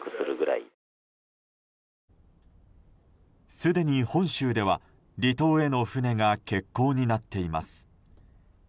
すでに本州では離島への船が欠航になっています。